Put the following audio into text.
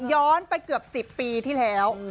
ย้อนไปเกือบ๑๐ปีที่แล้ว